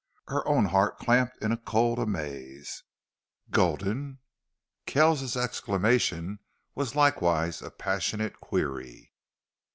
Her own heart clamped in a cold amaze. "Gulden!" Kells's exclamation was likewise a passionate query.